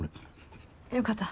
よかった。